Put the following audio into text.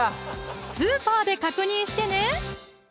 スーパーで確認してね！